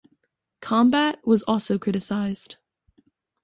Combat was also criticized.